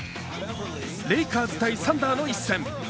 レイカーズ×サンダーの一戦。